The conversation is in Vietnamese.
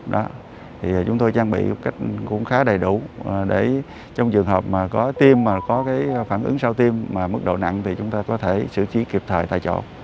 đó thì chúng tôi trang bị một cách cũng khá đầy đủ để trong trường hợp mà có tiêm mà có cái phản ứng sau tiêm mà mức độ nặng thì chúng ta có thể xử trí kịp thời tại chỗ